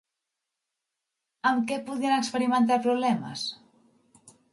Amb què podien experimentar problemes?